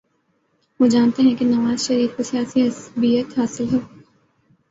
وہ جانتے ہیں کہ نواز شریف کو سیاسی عصبیت حاصل ہے۔